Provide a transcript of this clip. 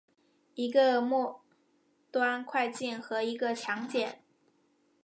一个末端炔烃和一个强碱。